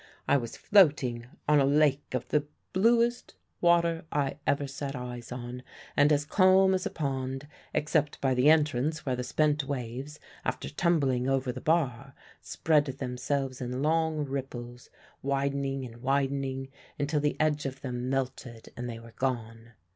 I was floating on a lake of the bluest water I ever set eyes on, and as calm as a pond except by the entrance where the spent waves, after tumbling over the bar, spread themselves in long ripples, widening and widening until the edge of them melted and they were gone.